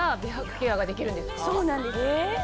そうなんです。